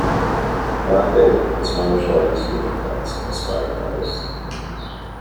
Dante: is one of Sheldon's human friends, an aspiring artist.